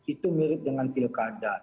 itu mirip dengan pilkada